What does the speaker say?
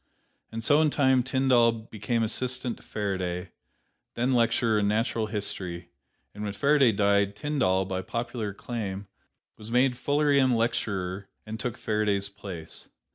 And so in time Tyndall became assistant to Faraday, then lecturer in natural history; and when Faraday died, Tyndall, by popular acclaim, was made Fullerian Lecturer and took Faraday's place.